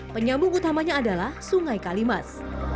penyambung utamanya adalah sungai kalimas